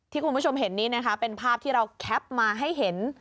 คุณผู้ชมเห็นนี้นะคะเป็นภาพที่เราแคปมาให้เห็น